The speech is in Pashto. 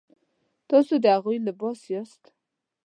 تاسو د هغوی لباس یاست.